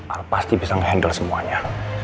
al pasti bisa ngehandle semuanya